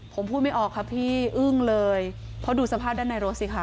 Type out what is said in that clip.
ผมพูดไม่ออกครับพี่อึ้งเลยเพราะดูสภาพด้านในรถสิคะ